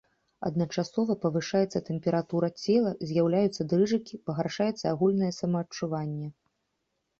Адначасова павышаецца тэмпература цела, з'яўляюцца дрыжыкі, пагаршаецца агульнае самаадчуванне.